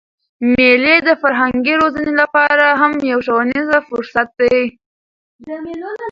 مېلې د فرهنګي روزني له پاره هم یو ښوونیز فرصت دئ.